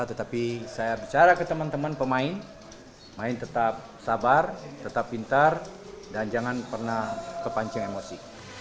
tetapi saya bicara ke teman teman pemain main tetap sabar tetap pintar dan jangan pernah kepancing emosi